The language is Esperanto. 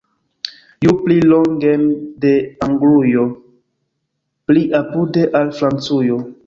Ju pli longen de Anglujo, pli apude al Francujo!